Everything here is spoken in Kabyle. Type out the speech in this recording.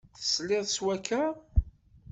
Tesliḍ s wakka?